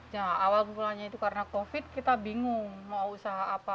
ya awal pukulannya itu karena covid kita bingung mau usaha apa